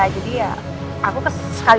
jadi ya aku sekalian aja kesini